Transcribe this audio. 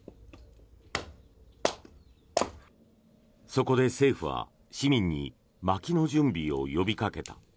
そこで政府は市民にまきの準備を呼びかけた。